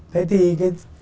thế thì cái